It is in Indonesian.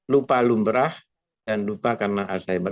lupa lumrah dan lupa karena alzheimer